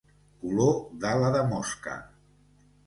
Color d'ala de mosca.